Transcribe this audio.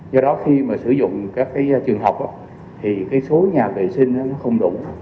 do đó khi sử dụng các trường học thì số nhà vệ sinh không đủ